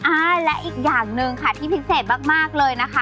อ่าและอีกอย่างหนึ่งค่ะที่พิเศษมากเลยนะคะ